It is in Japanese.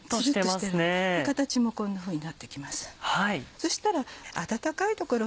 そしたら。